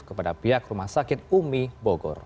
kepada pihak rumah sakit umi bogor